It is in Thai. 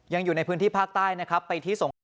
ยังอยู่ในพื้นที่ภาคใต้นะครับไปที่สงครา